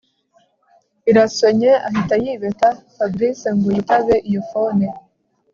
irasonye ahita yibeta Fabric ngo yitabe iyo phone